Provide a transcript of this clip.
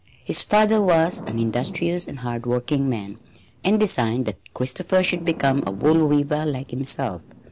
His father was an industrious and hard working man, and designed that Christopher should become a wool weaver like himself.